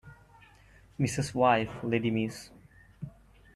Mrs. wife lady Miss